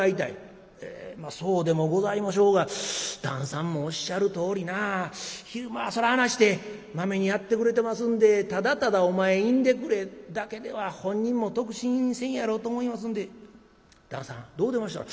「ええそうでもございましょうが旦さんもおっしゃるとおりな昼間はそらあないしてまめにやってくれてますんでただただ『お前いんでくれ』だけでは本人も得心せんやろうと思いますんで旦